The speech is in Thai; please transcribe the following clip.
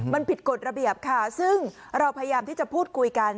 มันผิดกฎระเบียบค่ะซึ่งเราพยายามที่จะพูดคุยกัน